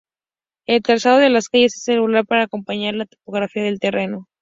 El trazado de las calles es irregular para acompañar la topografía del terreno.